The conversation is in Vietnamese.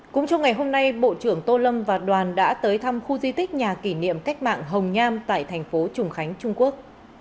cũng trong ngày hôm nay bộ trưởng tô lâm và đoàn đã tới thăm khu di tích nhà kỷ niệm cách mạng hồng nham tại thành phố trùng khánh trung quốc